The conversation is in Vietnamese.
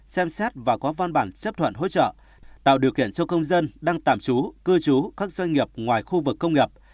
xem xét và có văn bản xếp thuận hỗ trợ tạo điều kiện cho công dân đăng tạm chú cư chú các doanh nghiệp ngoài khu vực công nghiệp